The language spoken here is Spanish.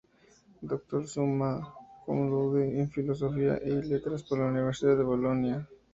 Doctor "summa cum laude" en Filosofía y Letras por la Universidad de Bolonia.